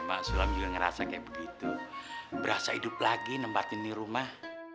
maksudnya ngerasa kayak begitu berasa hidup lagi nembak ini rumah